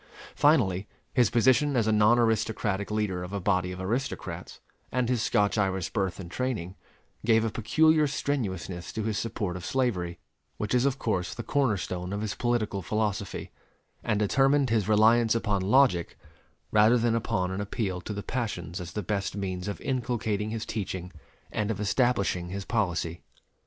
Finally, his position as a non aristocratic leader of a body of aristocrats, and his Scotch Irish birth and training, gave a peculiar strenuousness to his support of slavery, which is of course the corner stone of his political philosophy; and determined his reliance upon logic rather than upon an appeal to the passions as the best means of inculcating his teaching and of establishing his policy.